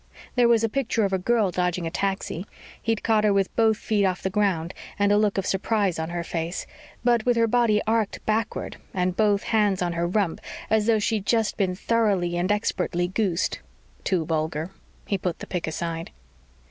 There was a picture of a girl dodging a taxi. He'd caught her with both feet off the ground and a look of surprise on her face, but with her body arced backward and both hands on her rump as though she'd just been thoroughly and expertly goosed. Too vulgar. He put the pic aside.